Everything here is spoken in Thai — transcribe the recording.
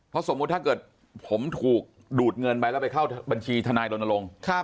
เพราะสมมุติถ้าเกิดผมถูกดูดเงินไปแล้วไปเข้าบัญชีทนายรณรงค์